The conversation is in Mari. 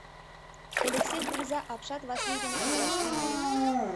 Элексей кугыза апшат Васлий дене кутыраш тӱҥале: